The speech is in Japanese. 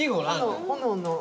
炎の。